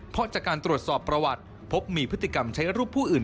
เพราะจากการตรวจสอบประวัติพบมีพฤติกรรมใช้รูปผู้อื่น